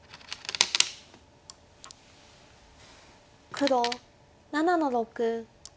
黒７の六。